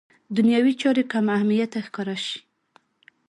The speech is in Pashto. دنیوي چارې کم اهمیته ښکاره شي.